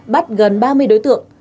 bắt gần ba mươi đối tượng